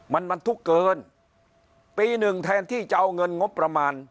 มันบรรทุกเกินปีหนึ่งแทนที่จะเอาเงินงบประมาณ